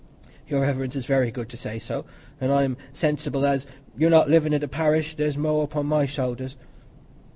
"Your Reverence is very good to say so; an' I'm sensable as, you not livin' i' the parish, there's more upo' my shoulders."